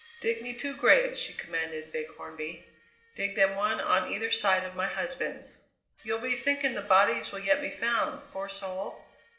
"Dig me two graves," she commanded Big Hornby; "dig them one on either side of my husband's." "You'll be thinking the bodies will yet be found, poor soul?"